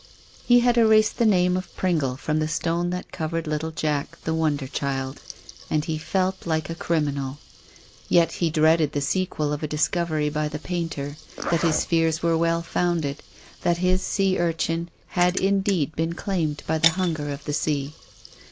He had erased the name of Pringle from the stone that covered little Jack, the wonder child. And he felt like a criminal. Yet he dreaded the sequel of a discovery by the painter, that his fears were well founded, that his sea urchin had indeed been claimed by the hunger of the sea.